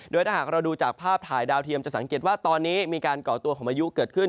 โดยถ้าหากเราดูจากภาพถ่ายดาวเทียมจะสังเกตว่าตอนนี้มีการก่อตัวของพายุเกิดขึ้น